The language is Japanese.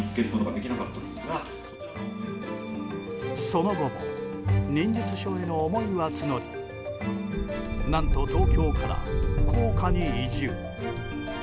その後も忍術書への思いは募り何と東京から甲賀に移住。